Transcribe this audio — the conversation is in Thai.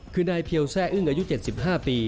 คือนายเพียวแซ่อึ้งอายุ๗๕ปี